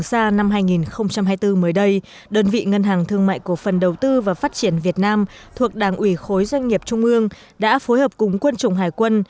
trường xa năm hai nghìn hai mươi bốn mới đây đơn vị ngân hàng thương mại cổ phần đầu tư và phát triển việt nam thuộc đảng ủy khối doanh nghiệp trung ương đã phối hợp cùng quân chủng hải quân